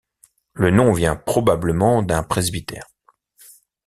Le nom vient probablement d'un presbytère.